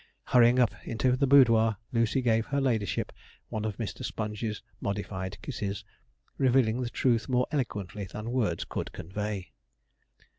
Hurrying up into the boudoir, Lucy gave her ladyship one of Mr. Sponge's modified kisses, revealing the truth more eloquently than words could convey.